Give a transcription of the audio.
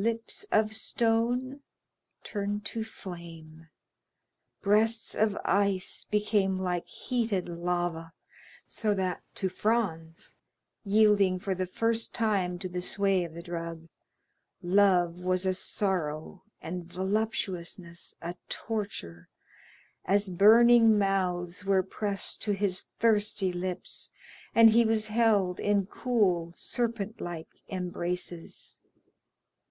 Lips of stone turned to flame, breasts of ice became like heated lava, so that to Franz, yielding for the first time to the sway of the drug, love was a sorrow and voluptuousness a torture, as burning mouths were pressed to his thirsty lips, and he was held in cool serpent like embraces.